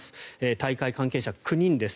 大会関係者９人です。